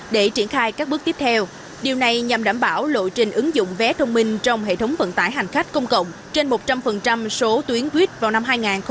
để triển khai các bước tiếp theo điều này nhằm đảm bảo lộ trình ứng dụng vé thông minh trong hệ thống vận tải hành khách công cộng trên một trăm linh số tuyến buýt vào năm hai nghìn hai mươi